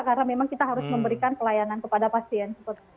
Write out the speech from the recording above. karena memang kita harus memberikan pelayanan kepada pasien